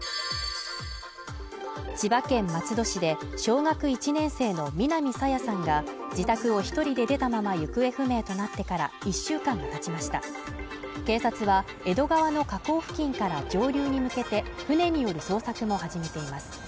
千葉県松戸市で小学１年生の南朝芽さんが自宅を一人で出たまま行方不明となってから１週間がたちました警察は江戸川の河口付近から上流に向けて船による捜索も始めています